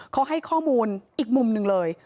เขาให้ข้อมูลอีกมุมหนึ่งเลย